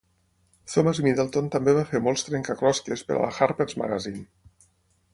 Thomas Middleton també va fer molts trencaclosques per a la 'Harpers Magazine'.